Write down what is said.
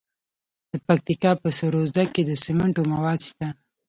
د پکتیکا په سروضه کې د سمنټو مواد شته.